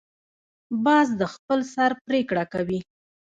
باز د خپل سر پریکړه کوي